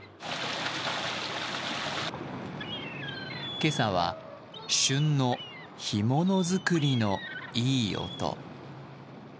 今朝は旬の干物作りのいい音。